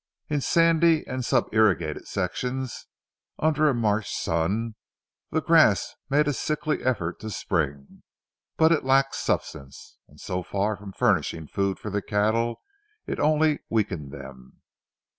In sandy and subirrigated sections, under a March sun, the grass made a sickly effort to spring; but it lacked substance, and so far from furnishing food for the cattle, it only weakened them.